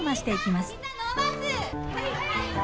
はい！